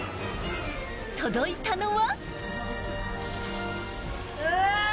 届いたのは。